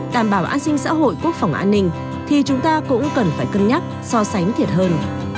đảm bảo an sinh xã hội quốc phòng an ninh thì chúng ta cũng cần phải cân nhắc so sánh thiệt hơn